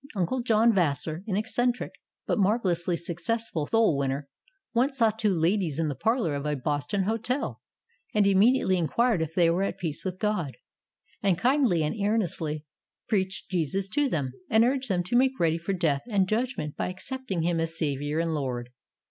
Uncle John Vassar, an eccentric, but marvelously successful soul winner, once saw two ladies in the parlor of a Boston hotel, and immediately inquired if they were at peace with God, and kindly and earnestly preached Jesus to them, and urged them to make ready for death and judgment by accepting Him as Saviour and Lord.